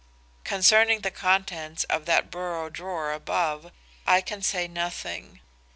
"Concerning the contents of that bureau drawer above, I can say nothing.